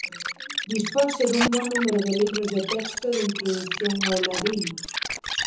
Disponse dun bo número de libros de texto de introdución ao ladino.